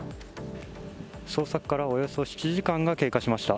捜索からおよそ７時間が経過しました。